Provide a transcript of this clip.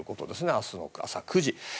明日の朝９時。